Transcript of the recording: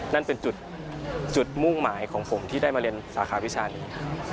นั่นเป็นจุดมุ่งหมายของผมที่ได้มาเรียนสาขาวิชานี้